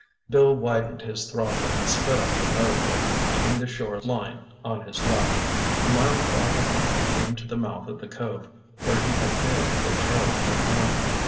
Bill widened his throttle and sped up the motor boat, keeping the shore line on his left. A mile farther on he came to the mouth of the cove where he had bathed with Charlie that morning.